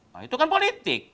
nah itu kan politik